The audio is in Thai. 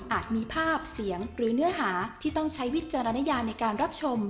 มีภาพเสียงหรือเนื้อหาที่ต้องใช้วิจารณญาในการรับชม